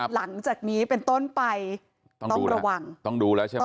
หลังจากนี้เป็นต้นไปต้องระวังต้องดูแล้วใช่ไหม